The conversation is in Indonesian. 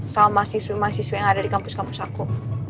sama mahasiswi mahasiswa yang ada di kampus kampus aku